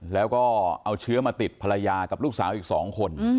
แล้วก็เอาเชื้อมาติดภรรยากับลูกสาวอีก๒คน